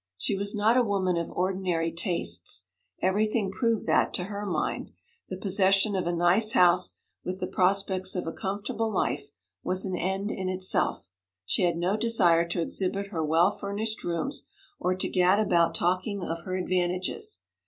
She was not a woman of ordinary tastes. Everything proved that, to her mind, the possession of a nice house, with the prospects of a comfortable life, was an end in itself; she had no desire to exhibit her well furnished rooms, or to gad about talking of her advantages.